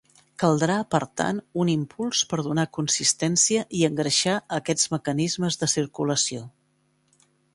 Caldrà, per tant, un impuls per donar consistència i engreixar aquests mecanismes de circulació.